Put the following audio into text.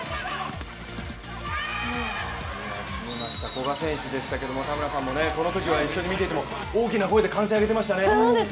古賀選手でしたけれども、田村さんもこのときは一緒に見ていても大きな声で歓声を上げていましたよね。